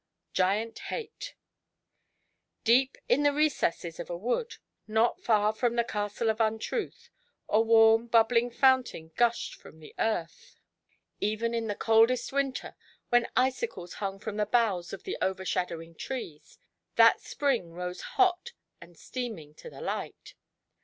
Atant l^ate. Deep in the recesses of a wood, not far from the Castle of Untruth, a warm, bubbling fountain gushed from the earth. Even in the coldest winter, when icicles hung from the boughs of the overshadowing trees, that spring rose hot and steaming to the light.